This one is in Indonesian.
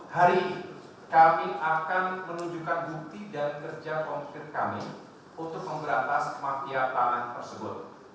hari ini kami akan menunjukkan bukti dan kerja konkret kami untuk memberantas mafia tanah tersebut